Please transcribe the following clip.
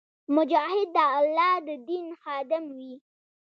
مجاهد د الله د دین خادم وي.